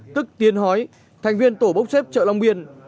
tức tiến hói thành viên tổ bốc xếp chợ long biên